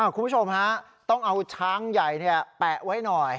คุณผู้ชมฮะต้องเอาช้างใหญ่แปะไว้หน่อย